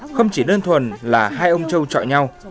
không chỉ đơn thuần là hai ông châu trọi nhau